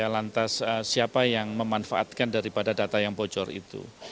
lantas siapa yang memanfaatkan daripada data yang bocor itu